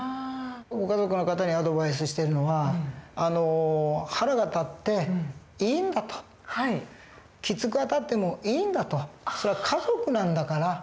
ご家族の方にアドバイスしてるのは腹が立っていいんだときつくあたってもいいんだとそれは家族なんだから。